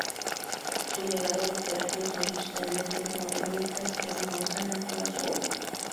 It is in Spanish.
Su legado literario son sus tendencias modernistas que se muestran en toda su obra.